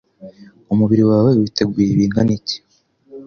umubiri wawe witeguye bingana iki